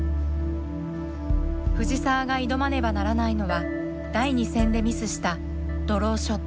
藤澤が挑まねばならないのは第２戦でミスしたドローショット。